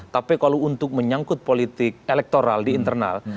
tapi kalau untuk menyangkut politik elektoral di internal